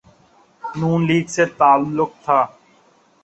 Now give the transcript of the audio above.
نون league سے تعلق تھا۔